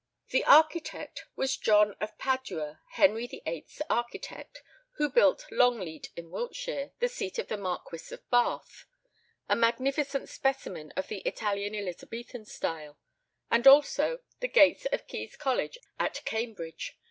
The architect was John of Padua, Henry VIII.'s architect, who built Longleat, in Wiltshire, the seat of the Marquis of Bath, a magnificent specimen of the Italian Elizabethan style, and also the gates of Caius College, at Cambridge.